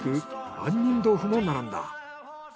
杏仁豆腐も並んだ。